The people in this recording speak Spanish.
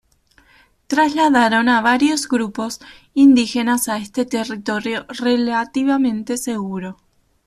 Trasladaron a varios grupos indígenas a este territorio relativamente seguro.